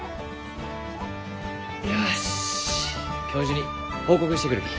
よし教授に報告してくるき。